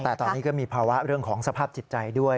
แต่ตอนนี้ก็มีภาวะเรื่องของสภาพจิตใจด้วย